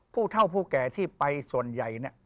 ผู้เท่าผู้แก่ที่ไปส่วนใหญ่